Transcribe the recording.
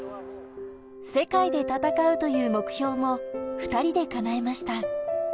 世界で戦う目標も２人で叶えました。